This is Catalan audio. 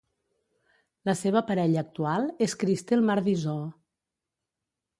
La seva parella actual és Kristel Mardisoo.